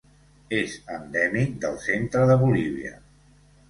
És endèmic del centre de Bolívia.